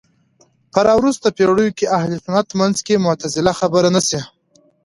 په راوروسته پېړيو کې اهل سنت منځ کې معتزله خبره نه شي